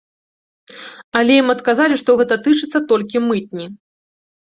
Але ім адказалі, што гэта тычыцца толькі мытні.